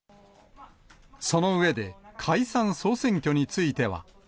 その上で、解散・総選挙については。